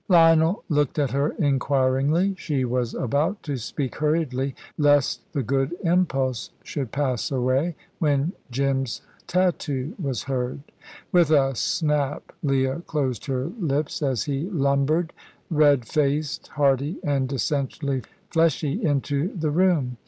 Lionel looked at her inquiringly. She was about to speak hurriedly, lest the good impulse should pass away, when Jim's tattoo was heard. With a snap Leah closed her lips, as he lumbered, red faced, hearty, and essentially fleshy, into the room.